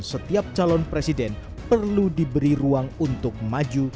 setiap calon presiden perlu diberi ruang untuk maju